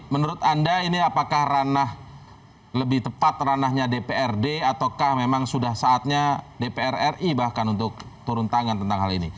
menurut anda ini apakah ranah lebih tepat ranahnya dprd ataukah memang sudah saatnya dpr ri bahkan untuk turun tangan tentang hal ini